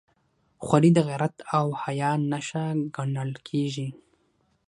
خولۍ د غیرت او حیا نښه ګڼل کېږي.